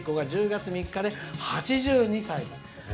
１０月３日で８２歳」。